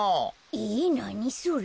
えなにそれ？